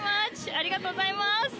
ありがとうございます！